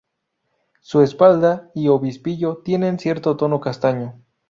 Su espalda y obispillo tienen cierto tono castaño.